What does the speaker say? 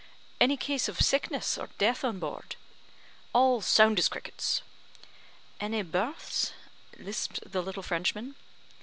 "Any case of sickness or death on board?" "All sound as crickets." "Any births?" lisped the little Frenchman.